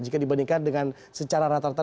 jika dibandingkan dengan secara rata rata